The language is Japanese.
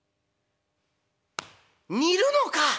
「『似る』のか！